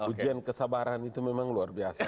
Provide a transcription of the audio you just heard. ujian kesabaran itu memang luar biasa